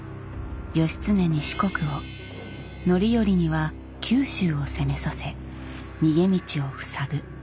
義経に四国を範頼には九州を攻めさせ逃げ道を塞ぐ。